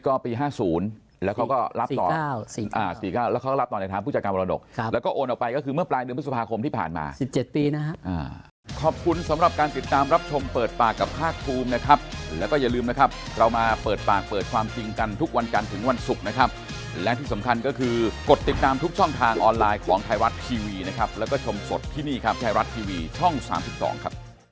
ก็ปี๕๐แล้วเขาก็รับต่อ๔๙แล้วเขาก็รับต่อในทางผู้จัดการมรดกแล้วก็โอนออกไปก็คือเมื่อปลายเดือนพฤษภาคมที่ผ่านมา๑๗ปีนะครับ